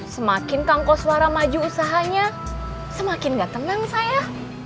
semakin kangku suara maju usahanya semakin gak tenang saya